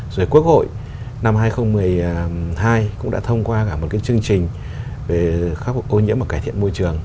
rồi quốc hội năm hai nghìn một mươi hai cũng đã thông qua cả một cái chương trình về khắc phục ô nhiễm và cải thiện môi trường